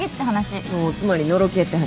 おっつまりのろけって話？